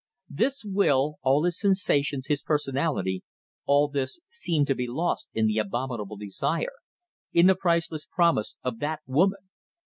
This will, all his sensations, his personality all this seemed to be lost in the abominable desire, in the priceless promise of that woman.